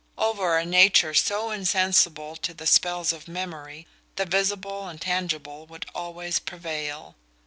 Over a nature so insensible to the spells of memory, the visible and tangible would always prevail.